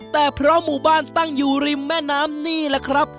แต่เพราะหมู่บ้านตั้งอยู่ริมแม่น้ำนี่แหละครับ